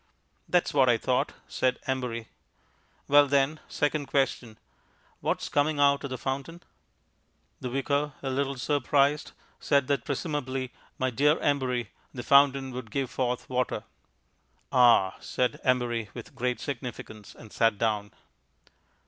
"That's what I thought," said Embury. "Well, then, second question What's coming out of the fountain?" The Vicar, a little surprised, said that presumably, my dear Embury, the fountain would give forth water. "Ah!" said Embury with great significance, and sat down.